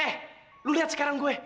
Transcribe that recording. eh lo liat sekarang gue